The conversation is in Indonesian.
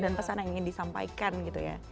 pesan yang ingin disampaikan gitu ya